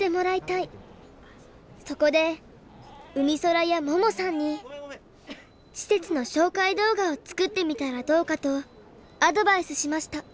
そこでうみそらや桃さんに施設の紹介動画を作ってみたらどうかとアドバイスしました。